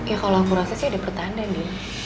ya kalau aku rasa sih ada pertanda nih